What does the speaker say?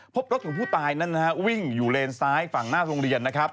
พบรถของผู้ตายนั้นวิ่งอยู่เลนซ้ายฝั่งหน้าโรงเรียนนะครับ